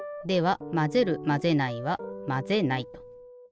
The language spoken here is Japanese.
ではまぜるまぜないはまぜないと。